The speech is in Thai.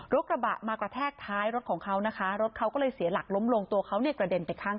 กระบะมากระแทกท้ายรถของเขานะคะรถเขาก็เลยเสียหลักล้มลงตัวเขาเนี่ยกระเด็นไปข้าง